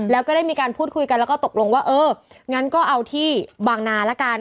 แล้วก็ได้มีการพูดคุยกันแล้วก็ตกลงว่าเอองั้นก็เอาที่บางนาละกัน